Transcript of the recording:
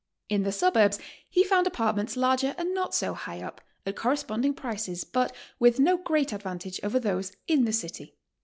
In the suburbs he found apartments larger and not so high up, at corresponding prices, but with no great advantage over those in the city.